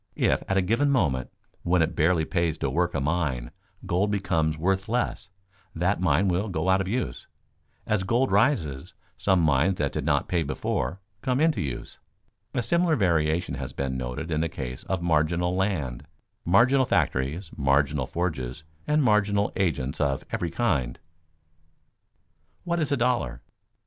If at a given moment, when it barely pays to work a mine, gold becomes worth less, that mine will go out of use. As gold rises, some mines that did not pay before, come into use. A similar variation has been noted in the case of marginal land, marginal factories, marginal forges, and marginal agents of every kind. [Sidenote: "What is a dollar?"